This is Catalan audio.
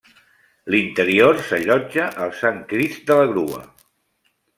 L'interior s'allotja el Sant Crist de la Grua.